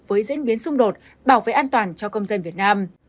với diễn biến xung đột bảo vệ an toàn cho công dân việt nam